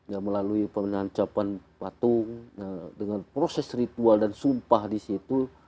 ya melalui pengancapan patung dengan proses ritual dan sumpah disitu